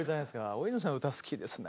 大泉さんの歌好きですね。